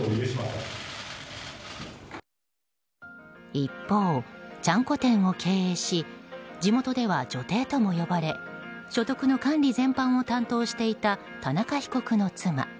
一方、ちゃんこ店を経営し地元では女帝とも呼ばれ所得の管理全般を担当していた田中被告の妻。